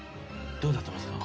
どうなってますか？